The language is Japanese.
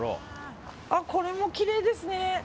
これもきれいですね。